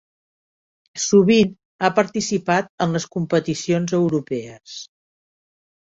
Sovint ha participat en les competicions europees.